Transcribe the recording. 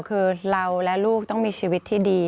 คือเราและลูกต้องมีชีวิตที่ดี